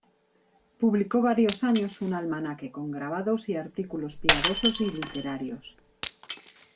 Publicó varios años un almanaque con grabados y artículos piadosos y literarios.